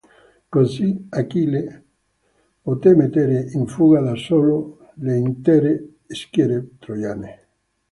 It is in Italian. Così Achille poté mettere in fuga da solo le intere schiere troiane.